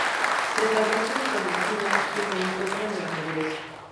Se establecen con espinas que se encuentran en la madurez.